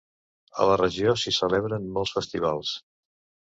A la regió s'hi celebren molts festivals.